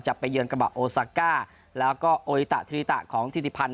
จะไปเยินกระเป๋าโอซาก้าแล้วก็โอริตาธิริตาของธิริพันธ์